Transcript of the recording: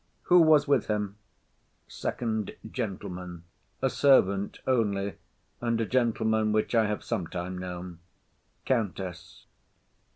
Who was with him? FIRST GENTLEMAN. A servant only, and a gentleman which I have sometime known. COUNTESS.